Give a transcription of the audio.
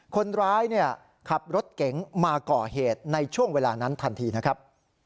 คนร้ายขับรถเก๋งมาก่อเหตุในช่วงเวลานั้นทันทีนะครับ